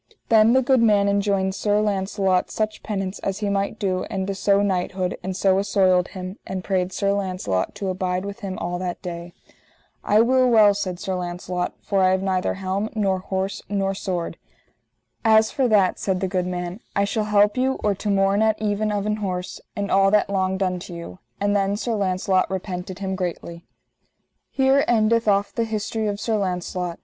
Then the good man enjoined Sir Launcelot such penance as he might do and to sewe knighthood, and so assoiled him, and prayed Sir Launcelot to abide with him all that day. I will well, said Sir Launcelot, for I have neither helm, nor horse, nor sword. As for that, said the good man, I shall help you or to morn at even of an horse, and all that longed unto you. And then Sir Launcelot repented him greatly. _Here endeth off the history of Sir Launcelot.